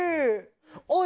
おい！